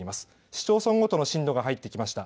市町村ごとの震度が入ってきました。